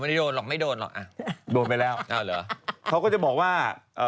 ไม่โดนหรอกไม่โดนหรอกโดนไปแล้วเขาก็จะบอกว่า